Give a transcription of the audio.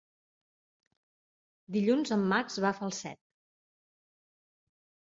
Dilluns en Max va a Falset.